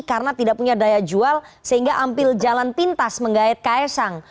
karena tidak punya daya jual sehingga hampir jalan pintas menggayat ksang